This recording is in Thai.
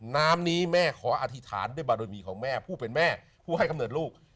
น้ำนี้แม่ขออธิษฐานด้วยบารมีของแม่ผู้เป็นแม่ผู้ให้กำเนิดลูก